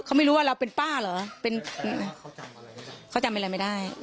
เขาไม่รู้ว่าเราเป็นป้าเหรอเป็นเขาจำอะไรไม่ได้